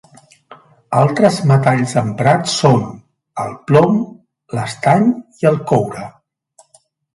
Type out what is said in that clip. Altres metalls emprats són: el plom, l'estany i el coure.